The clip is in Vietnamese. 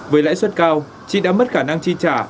với lãi suất cao chị đã mất khả năng chi trả